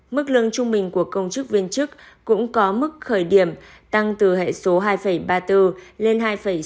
mức lương trung bình của công chức viên chức cũng có mức khởi điểm tăng từ hệ số hai ba mươi bốn lên hai sáu mươi